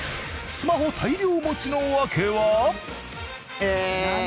スマホ大量持ちの訳は？